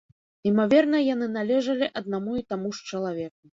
Імаверна, яны належалі аднаму і таму ж чалавеку.